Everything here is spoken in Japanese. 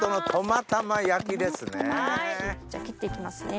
切って行きますね。